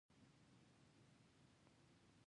سیاسي بې ثباتي بازار خرابوي.